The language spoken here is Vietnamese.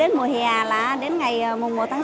tp quận viễn quốc tạp q